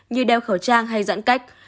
như đeo khẩu trang hay giãn cách